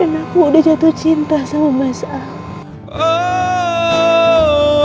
dan aku udah jatuh cinta sama mas al